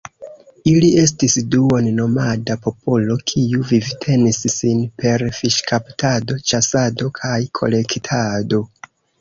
Ili estis duon-nomada popolo, kiu vivtenis sin per fiŝkaptado, ĉasado kaj kolektado.